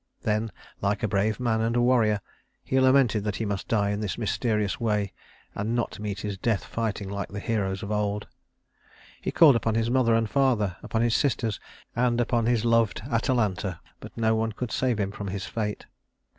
Then, like a brave man and a warrior, he lamented that he must die in this mysterious way and not meet his death fighting like the heroes of old. He called upon his mother and father, upon his sisters, and upon his loved Atalanta, but no one could save him from his fate.